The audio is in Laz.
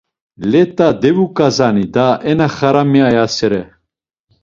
Let̆a devuǩazani da, e na xaram ayasere!